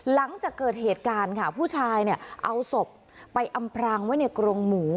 หลังจากเกิดเหตุการณ์ค่ะผู้ชายเนี่ยเอาศพไปอำพรางไว้ในกรงหมู